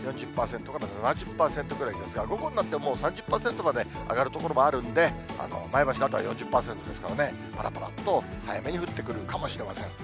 ４０％から７０％ぐらいですが、午後になってもう３０％まで上がる所もあるんで、前橋の辺りは４０％ですからね、ぱらぱらっと早めに降ってくるかもしれません。